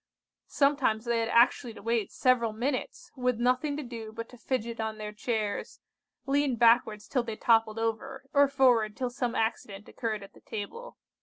Sometimes they had actually to wait several minutes, with nothing to do but to fidget on their chairs, lean backwards till they toppled over, or forward till some accident occurred at the table.